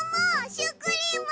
シュークリーム！